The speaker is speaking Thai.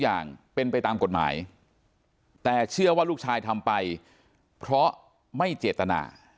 อย่างเป็นไปตามกฎหมายแต่เชื่อว่าลูกชายทำไปเพราะไม่เจตนา